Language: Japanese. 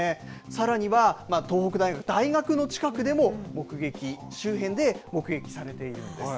さらには、東北大学、大学の近くでも目撃、周辺で目撃されているんです。